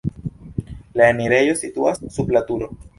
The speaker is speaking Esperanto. La enirejo situas sub la turo.